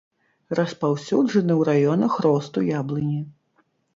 Распаўсюджаны ў раёнах росту яблыні.